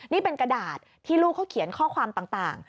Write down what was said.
นี่เป็นกระดาษที่ลูกเขาเขียนข้อความต่าง